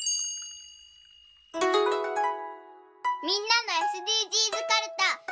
みんなのＳＤＧｓかるた。